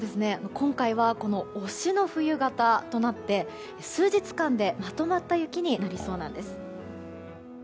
今回は押しの冬型となって数日間でまとまった雪になりそうなんです。